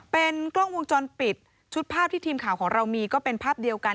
เป็นกล้องวงจรปิดชุดภาพที่ทีมข่าวของเรามีก็เป็นภาพเดียวกัน